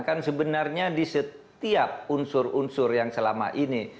kan sebenarnya di setiap unsur unsur yang selama ini